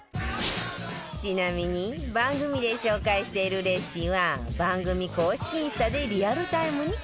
ちなみに番組で紹介しているレシピは番組公式インスタでリアルタイムに更新中